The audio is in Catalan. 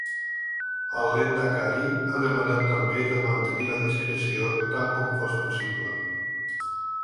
El lehendakari ha demanat també de mantenir la discreció tant com fos possible.